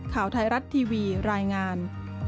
ข่าวไทยรัฐทีวีรายงาน